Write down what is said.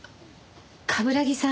冠城さん